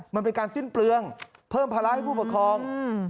มันเป็นการสิ้นเปลืองเพิ่มพละล้าให้ผู้ประคอง